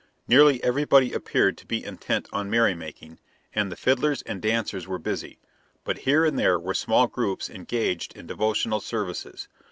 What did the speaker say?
Nearly everybody appeared to be intent on merrymaking, and the fiddlers and dancers were busy; but here and there were small groups engaged in devotional services.